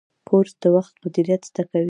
کورس د وخت مدیریت زده کوي.